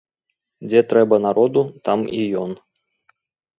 Дзе трэба народу, там і ён.